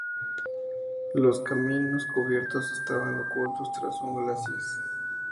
Los caminos cubiertos estaban ocultos tras un glacis.